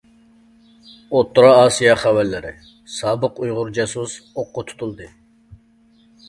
ئوتتۇرا ئاسىيا خەۋەرلىرى: سابىق ئۇيغۇر جاسۇس ئوققا تۇتۇلدى.